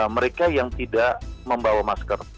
mereka yang tidak membawa masker